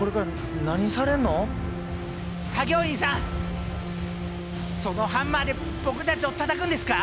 作業員さんそのハンマーで僕たちをたたくんですか！？